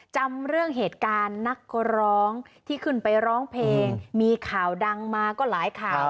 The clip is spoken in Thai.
จำเรื่องเหตุการณ์นักร้องที่ขึ้นไปร้องเพลงมีข่าวดังมาก็หลายข่าว